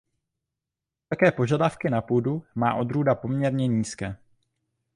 Také požadavky na půdu má odrůda poměrně nízké.